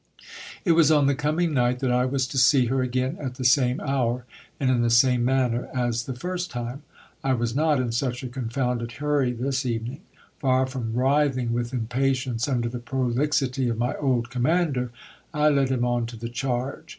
It was on the coming night that I was to see her again at the same hour and in the same manner as the first time. I was not in such a confounded hurry this evening. Far from writhing with impa tience under the prolixity of my old commander, I led him on to the charge.